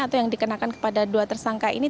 atau yang dikenakan kepada dua tersangka ini